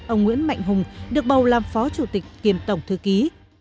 ông nguyễn mạnh hùng được bầu làm phó chủ tịch kiêm tổng thư ký